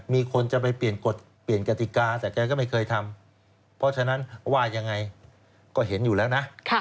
มีคนจะไปเปลี่ยนกฎเปลี่ยนกติกาแต่แกก็ไม่เคยทำเพราะฉะนั้นว่ายังไงก็เห็นอยู่แล้วนะ